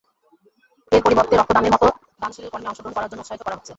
এর পরিবর্তে রক্ত দানের মত দানশীল কর্মে অংশ গ্রহণ করার জন্য উৎসাহিত করা হচ্ছে।